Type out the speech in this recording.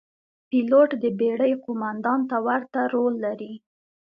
پیلوټ د بېړۍ قوماندان ته ورته رول لري.